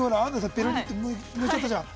ペロリってむいちゃったじゃない。